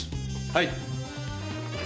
はい。